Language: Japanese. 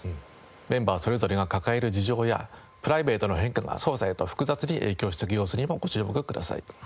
メンバーそれぞれが抱える事情やプライベートの変化が捜査へと複雑に影響していく様子にもご注目ください。